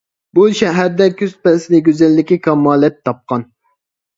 بۇ شەھەردە كۈز پەسلى گۈزەللىكى كامالەت تاپقان.